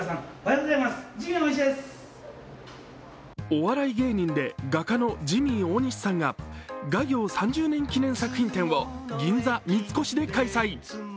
お笑い芸人で画家のジミー大西さんが画業３０年記念作品展を銀座三越で開催。